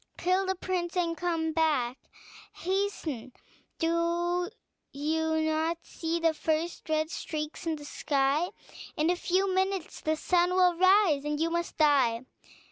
Kill the prince and come back; hasten: do you not see the first red streaks in the sky? In a few minutes the sun will rise, and you must die."